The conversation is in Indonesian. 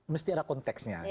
mesti ada konteksnya